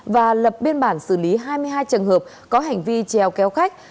và lập biên bản xử lý hai mươi hai trường hợp có hành vi treo kéo khách